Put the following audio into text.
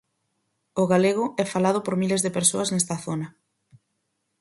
O galego é falado por miles de persoas nesta zona.